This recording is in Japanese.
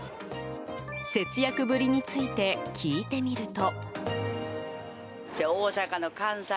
節約ぶりについて聞いてみると。